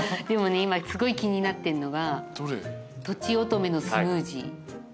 でもね今すごい気になってんのがとちおとめのスムージー。